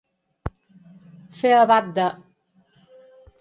Fer abat de.